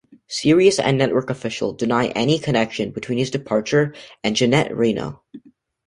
Series and network officials deny any connection between his departure and Janet Reno.